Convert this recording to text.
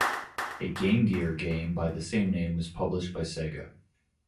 A Game Gear game by the same name was published by Sega.